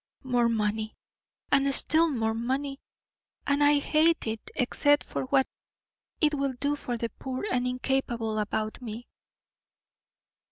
More money, and still more money! and I hate it except for what it will do for the poor and incapable about me.